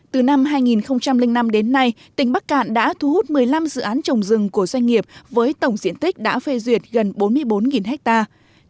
từ năm hai nghìn năm đến nay tỉnh bắc cạn đã thu hút một mươi năm dự án trồng rừng của doanh nghiệp với tổng diện tích đã phê duyệt gần bốn mươi bốn hectare